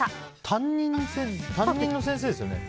担任の先生ですよね？